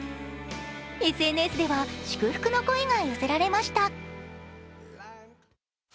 ＳＮＳでは祝福の声が寄せられました